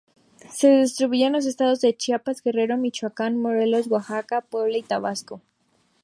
Se distribuye en los estados de Chiapas, Guerrero, Michoacán, Morelos, Oaxaca, Puebla y Tabasco.